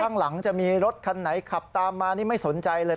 ข้างหลังจะมีรถคันไหนขับตามมานี่ไม่สนใจเลย